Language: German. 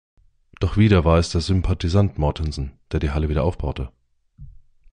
Doch wieder war es der Sympathisant Mortensen, der die Halle wieder aufbaute.